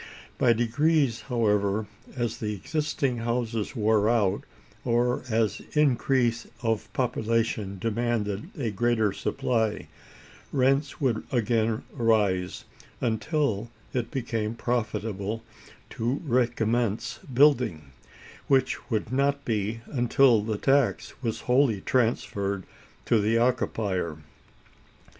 By degrees, however, as the existing houses wore out, or as increase of population demanded a greater supply, rents would again rise; until it became profitable to recommence building, which would not be until the tax was wholly transferred to the occupier.